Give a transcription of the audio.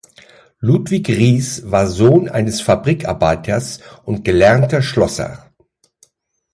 Ludwig Riess war Sohn eines Fabrikarbeiters und gelernter Schlosser.